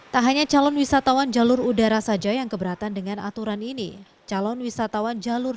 tak hanya calon wisatawan jalur udara saja yang keberatan dengan aturan ini calon wisatawan jalur